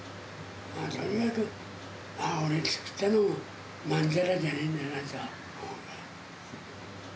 とにかく、俺が作ったのもまんざらじゃねえんだなと思うから。